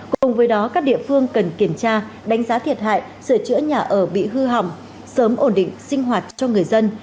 cùng với đó các địa phương cần kiểm tra đánh giá thiệt hại sửa chữa nhà ở bị hư hỏng sớm ổn định sinh hoạt cho người dân